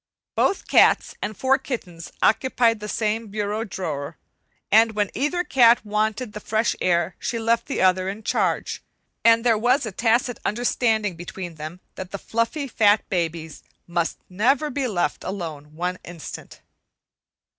Both cats and four kittens occupied the same bureau drawer, and when either cat wanted the fresh air she left the other in charge; and there was a tacit understanding between them that the fluffy, fat babies must never be left alone one instant.